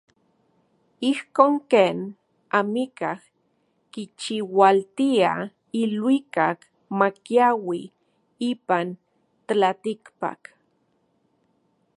Ijkon ken amikaj kichiualtia iluikak makiaui ipan tlatikpak.